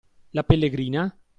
La pellegrina?